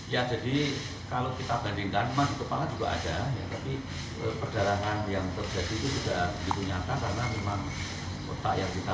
ya jadi kalau kita bandingkan memang kepala juga ada